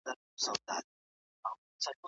هغه څوک چي پښتون پېژني، د هغه په نیت پوهیږي.